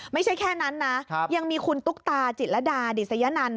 ไม่ใช่แค่นั้นนะยังมีคุณตุ๊กตาจิตรดาดิสยนันต